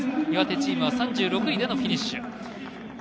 岩手チームは３６位でのフィニッシュ。